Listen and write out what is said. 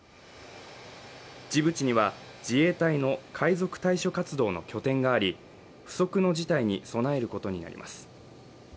ジブチには自衛隊の海賊対処活動の拠点があり不測の事態に備えることになります